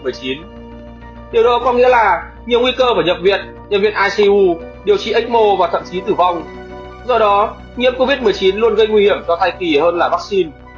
điều đó có nghĩa là nhiều nguy cơ vào nhập viện nhân viên icu điều trị ếch mô và thậm chí tử vong do đó nhiễm covid một mươi chín luôn gây nguy hiểm cho thai kỳ hơn là vắc xin